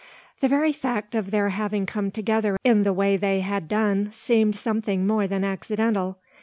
The very fact of their having come together in the way they had done seemed something more than accidental.